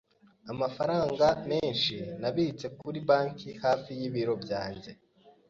Amafaranga menshi nabitse kuri banki hafi y'ibiro byanjye.